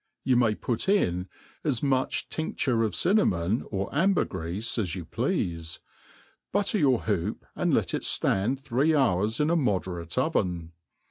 Yctt may. put in as much tin£ture of cinnamon or amber greafe as you pleafe; butter your hoop, a«id let it ftand thcee hours in a moderate .ov^n.